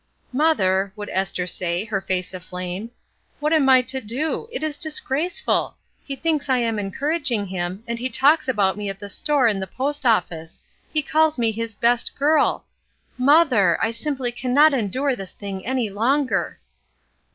"Mother," would Esther say, her face aflame, "what am I to do? It is disgraceful! He thinks I am encouraging him, and he talks JORAM PRATT 49 about me at the store and the post office; he calls me his 'best girl'! Mother, I simply cannot endure this thing any longer!''